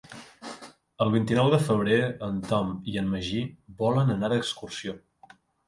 El vint-i-nou de febrer en Tom i en Magí volen anar d'excursió.